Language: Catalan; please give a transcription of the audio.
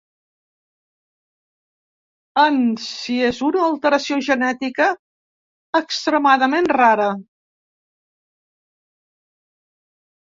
En si és una alteració genètica extremadament rara.